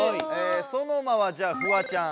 ソノマはじゃあフワちゃん。